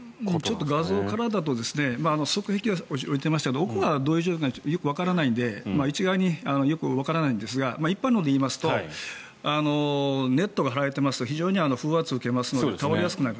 ちょっと画像からだと側壁は下りていましたが奥がどういう状況かよくわからないので一概にわからないんですが一般論で言いますとネットが張られていますと非常に風圧を受けるので倒れやすくなる。